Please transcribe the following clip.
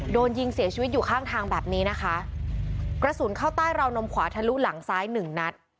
โดนยิงเสียชีวิตอยู่ข้างทางแบบนี้นะคะกระสุนเข้าใต้ราวนมขวาทะลุหลังซ้ายหนึ่งนัด